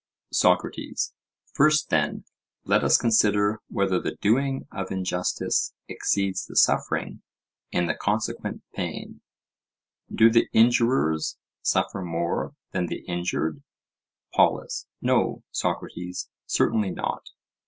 SOCRATES: First, then, let us consider whether the doing of injustice exceeds the suffering in the consequent pain: Do the injurers suffer more than the injured? POLUS: No, Socrates; certainly not.